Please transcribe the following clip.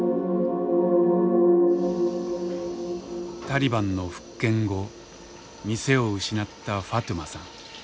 タリバンの復権後店を失ったファトゥマさん。